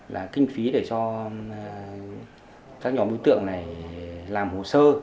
là kinh phí để cho các nhóm đối tượng này làm hồ sơ